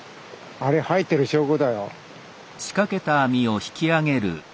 あれ入ってる証拠だよ。